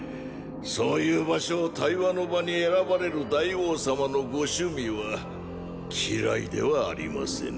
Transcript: そういう場所を対話の場に選ばれる大王様のご趣味は嫌いではありませぬ。